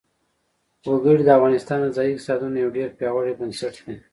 وګړي د افغانستان د ځایي اقتصادونو یو ډېر پیاوړی بنسټ دی.